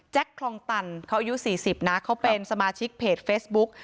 คลองตันเขาอายุ๔๐นะเขาเป็นสมาชิกเพจเฟซบุ๊ก